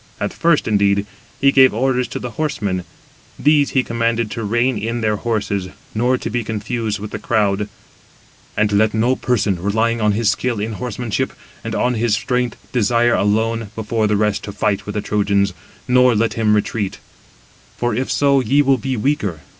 At first, indeed, he gave orders to the horsemen; these he commanded to rein in their horses, nor to be confused with the crowd. "And let no person, relying on his skill in horsemanship, and on his strength, desire alone, before the rest, to fight with the Trojans, nor let him retreat: for [if so], ye will be weaker.